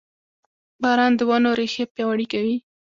• باران د ونو ریښې پیاوړې کوي.